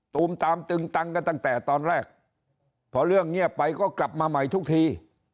ตูมตามตึงตังกันตั้งแต่ตอนแรกพอเรื่องเงียบไปก็กลับมาใหม่ทุกที